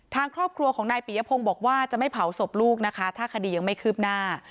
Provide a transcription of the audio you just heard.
ทางครอบครัวของนายปียพงศ์บอกว่าจะไม่เผาศพลูกนะคะถ้าคดียังไม่คืบหน้า